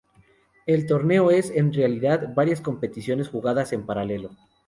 El torneo es, en realidad, varias competiciones jugadas en paralelo.